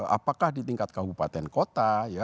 apakah di tingkat kabupaten kota